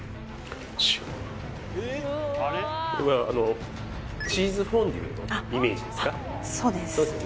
これはあのチーズフォンデュのイメージですか？